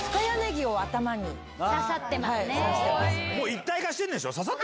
一体化してんでしょ？